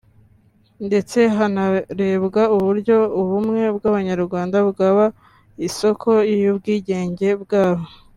ndetse hanarebwa uburyo ubumwe bw’Abanyarwanda bwaba isoko y’ubwigenge bwabo